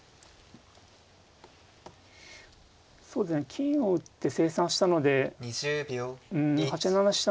金を打って清算したのでうん８七飛車